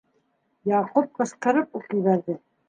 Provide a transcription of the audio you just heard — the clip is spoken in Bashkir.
- Яҡуп ҡысҡырып уҡ ебәрҙе.